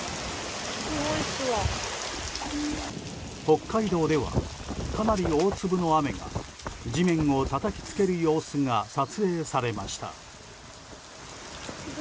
北海道ではかなり大粒の雨が地面をたたきつける様子が撮影されました。